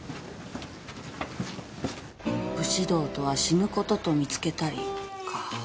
「武士道とは死ぬ事と見つけたり」か。